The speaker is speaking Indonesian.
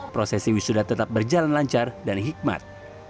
prosesi wisuda tetap berjalan lancar dan hikmat